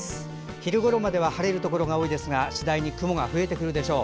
昼ごろまでは晴れるところが多いですが次第に雲が増えてくるでしょう。